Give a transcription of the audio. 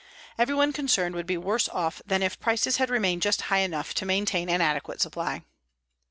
Everyone concerned would be worse off than if prices had remained just high enough to maintain an adequate supply.